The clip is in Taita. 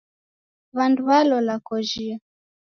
W'andu w'alola kojhia.